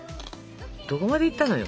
どこまで行ったのよ？